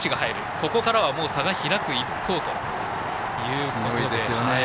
ここからは差が開く一方ということですかね。